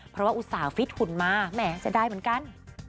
เพราะว่าอุตส่าห์ฟิตหุ่นมาแหมเสียดายเหมือนกัน